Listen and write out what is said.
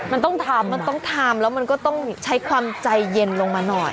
มันต้องทำมันต้องทำแล้วมันก็ต้องใช้ความใจเย็นลงมาหน่อย